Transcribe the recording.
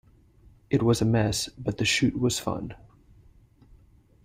It was a mess, but the shoot was fun.